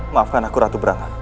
maafkan aku ratu brang